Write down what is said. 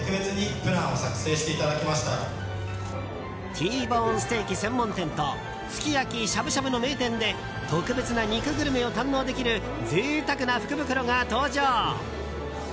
Ｔボーンステーキ専門店とすき焼き、しゃぶしゃぶの名店で特別な肉グルメを堪能できる贅沢な福袋が登場。